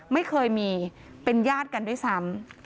ไม่เคยมีเป็นญาติกันด้วยซ้ำ